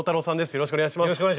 よろしくお願いします。